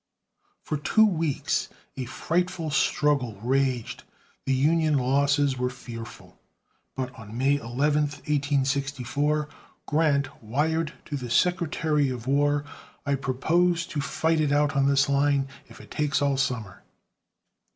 For two weeks a frightful struggle raged. The Union losses were fearful, but on May 11, 1864, Grant wired to the Secretary of War, "I propose to fight it out on this line, if it takes all summer."